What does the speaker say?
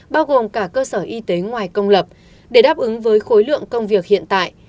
bao gồm cả cơ sở y tế ngoài công lập để đáp ứng với khối lượng công việc hiện tại